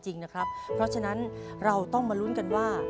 จริงนะครับเพราะฉะนั้นเราต้องมาลุ้นกันว่า